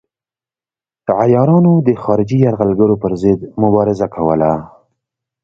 عیارانو د خارجي یرغلګرو پر ضد مبارزه کوله.